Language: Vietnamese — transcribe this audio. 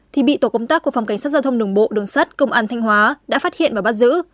thì bị tổ công tác của phòng cảnh sát giao thông đường bộ đường sát công an thanh hóa đã phát hiện và bắt giữ